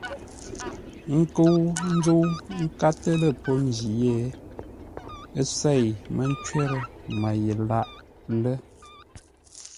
Ńkə́u ńzə́u ńkátə́ lə́ pô ndǐ yé, ə́ sêi mə́ ncwərə Mə́ ye lâʼ lə́.